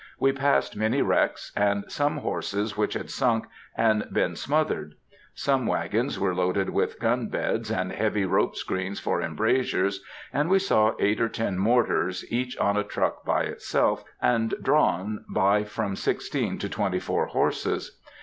We passed many wrecks, and some horses which had sunk and been smothered. Some wagons were loaded with gun beds and heavy rope screens for embrasures; and we saw eight or ten mortars, each on a truck by itself, and drawn by from sixteen to twenty four horses.